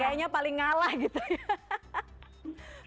jadi misalnya paling ngalah gitu ya